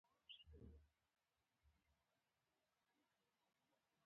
د مریانو په توګه ترې کار اخیستل کېده.